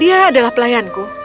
dia adalah pelayanku